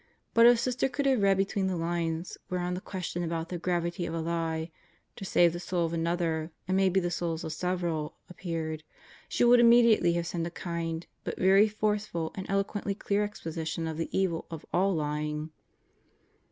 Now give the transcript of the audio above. But if Sister could have read between the lines whereon the question about the gravity of a lie "to save the soul of another and maybe the souls of several" appeared, she would immediately have sent a kind, but very forceful and eloquently clear exposition of the evil of all lying.